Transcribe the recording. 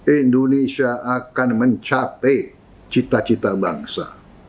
indonesia akan mencapai cita cita bangsa